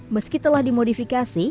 meski telah dimodifikasi